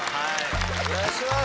お願いします！